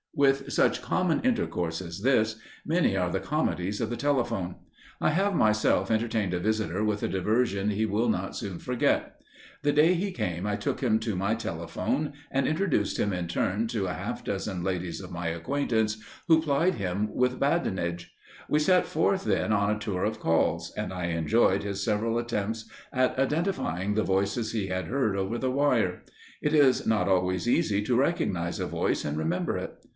With such common intercourse as this, many are the comedies of the telephone. I have myself entertained a visitor with a diversion he will not soon forget. The day he came I took him to my telephone and introduced him in turn to a half dozen ladies of my acquaintance, who plied him with badinage. We set forth then on a tour of calls, and I enjoyed his several attempts at identifying the voices he had heard over the wire. It is not always easy to recognize a voice and remember it.